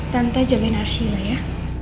tante jangan arsila ya